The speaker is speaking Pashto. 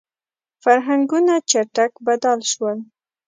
• فرهنګونه چټک بدل شول.